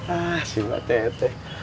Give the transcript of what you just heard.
ah si mbak teteh